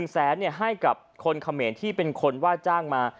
๑แสนให้กับคนเขมรที่เป็นคนว่าจ้างมา